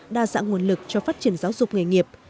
đa dạng nguồn lực cho phát triển giáo dục nghề nghiệp